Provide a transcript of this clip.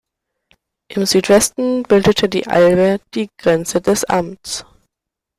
Im Südwesten bildete die Elbe die Grenze des Amts.